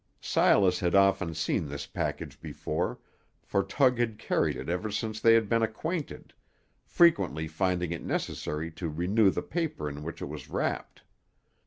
Silas had often seen this package before, for Tug had carried it ever since they had been acquainted, frequently finding it necessary to renew the paper in which it was wrapped.